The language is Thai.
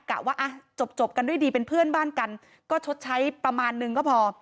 กะว่าอ่ะจบกันด้วยดีเป็นเพื่อนบ้านกันก็ชดใช้ประมาณนึงก็พอ